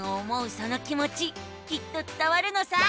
その気もちきっとつたわるのさ。